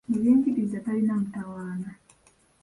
Mu byenjigiriza talina mutawaana.